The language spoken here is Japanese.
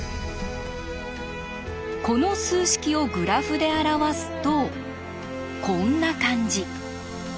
この数式をグラフで表すとこんな感じ。